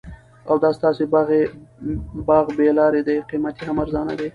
او دا ستاسي باغ بې لاري دي قیمت یې هم ارزانه دي